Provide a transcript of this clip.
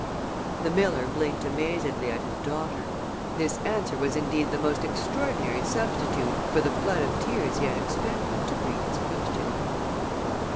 The miller blinked amazedly at his daughter. This answer was indeed the most extraordinary substitute for the floods of tears he had expected to greet his question.